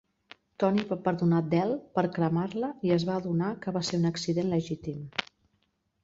Toni va perdonar Del per cremar-la i es va adonar que va ser un accident legítim.